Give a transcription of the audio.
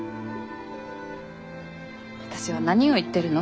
私は「何を言ってるの？」